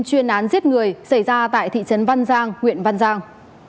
chuyên án giết người xảy ra tại thị trấn văn giang huyện văn giang